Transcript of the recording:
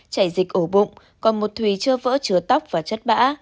chảy dịch ổ bụng còn một thùy chưa vỡ chứa tóc và chất bã